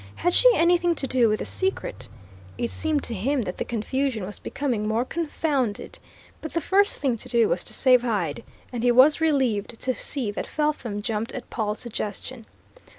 Had she anything to do with the secret? It seemed to him that the confusion was becoming more confounded. But the first thing to do was to save Hyde. And he was relieved to see that Felpham jumped at Pawle's suggestion.